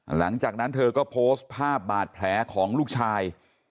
หลังจากนั้นเธอก็โพสต์ภาพบาดแผลของลูกชาย